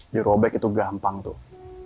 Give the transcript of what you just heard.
dirobek itu gampang tuh